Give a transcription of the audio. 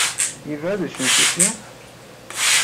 Yebɛed usensu ssya?